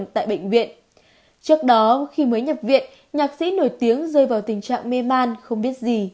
trước đó khi mới nhập viện nhạc sĩ nổi tiếng rơi vào tình trạng mê man không biết gì